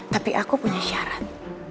tapi aku punya syarat